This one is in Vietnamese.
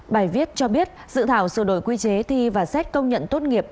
bài viết cho biết dự thảo sửa đổi quy chế thi và xét công nhận tốt nghiệp